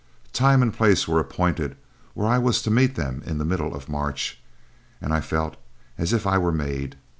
Time and place were appointed where I was to meet them in the middle of March, and I felt as if I were made.